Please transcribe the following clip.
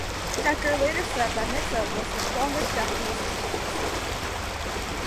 Dekker later said that Nitta was the strongest Japanese kickboxer.